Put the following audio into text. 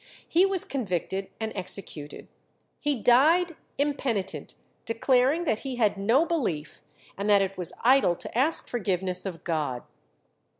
He was convicted and executed. He died impenitent, declaring that he had no belief, and that it was idle to ask forgiveness of God.